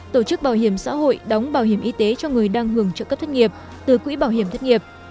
tổ chức bảo hiểm xã hội đóng bảo hiểm y tế cho người đang hưởng trợ cấp thất nghiệp từ quỹ bảo hiểm thất nghiệp